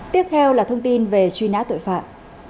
tiếp theo là thông tin về truy nã tội phạm